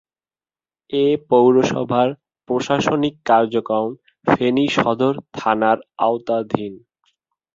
এ পৌরসভার প্রশাসনিক কার্যক্রম ফেনী সদর থানার আওতাধীন।